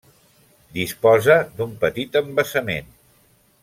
Disposa d'un petit embassament.